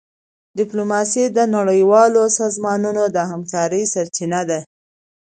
ډيپلوماسي د نړیوالو سازمانونو د همکارۍ سرچینه ده.